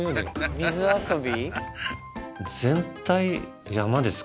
水遊び？